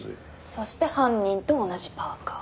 そして犯人と同じパーカ。